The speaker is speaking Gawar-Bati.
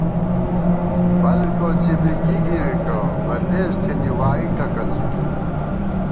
فَل کوڅی بی کِی گِرِکہ، بندېز تھنی وائی ٹکَڅُوئی